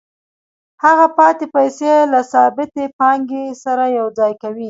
هغه پاتې پیسې له ثابتې پانګې سره یوځای کوي